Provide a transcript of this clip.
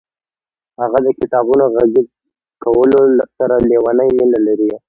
هغه د کتابونو غږیز کولو سره لیونۍ مینه لري.